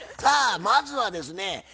さあまずはですね